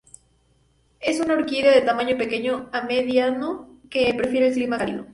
Es una orquídea de tamaño pequeño a mediano, que prefiere el clima cálido.